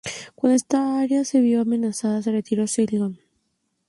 Cuando esta área se vio amenazada, se retiró a Saigón en la Indochina Francesa.